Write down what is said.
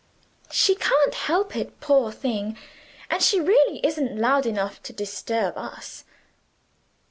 "She can't help it, poor thing; and she really isn't loud enough to disturb us."